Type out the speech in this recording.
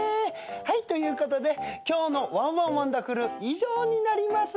はいということで今日の『ワンワンワンダフル』以上になります。